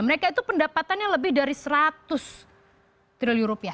mereka itu pendapatannya lebih dari seratus triliun rupiah